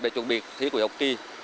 để chuẩn bị thí cử học kỳ